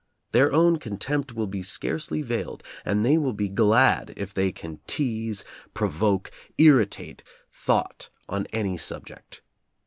Their own contempt will be scarcely veiled, and they will be glad if they can tease, pro voke, irritate thought on any subject.